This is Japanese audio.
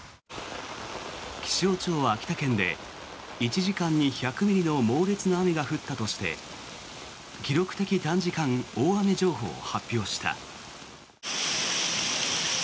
気象庁は秋田県で１時間に１００ミリの猛烈な雨が降ったとして記録的短時間大雨情報を発表した。